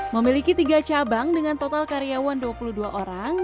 memiliki tiga cabang dengan total karyawan dua puluh dua orang